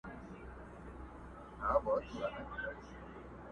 له احوال د وطنونو باخبره؛